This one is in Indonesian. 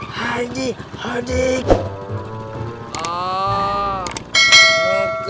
haji hodik suara lo kenapa nggak usah